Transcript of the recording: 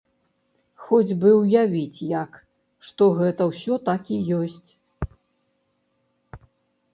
Хоць бы ўявіць як, што гэта ўсё так і ёсць.